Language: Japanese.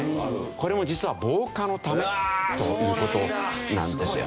これも実は防火のためという事なんですよね。